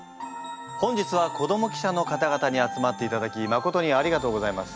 本日は子ども記者の方々に集まっていただきまことにありがとうございます。